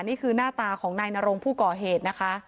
นี่คือหน้าตาของนายนรงผู้ก่อเหตุนะคะ